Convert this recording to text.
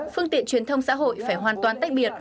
phương tiện truyền thông xã hội phải hoàn toàn tách biệt